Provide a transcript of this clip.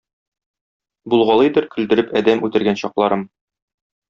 Булгалыйдыр көлдереп адәм үтергән чакларым.